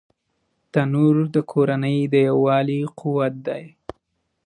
تنور د کورنۍ د یووالي قوت دی